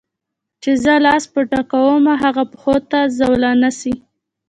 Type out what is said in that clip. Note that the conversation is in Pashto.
چي زه لاس په ډکومه هغه پښو ته زولانه سي